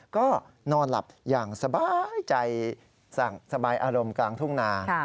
ก็นอนหลับอย่างสบายใจสบายอารมณ์กลางทุ่งนา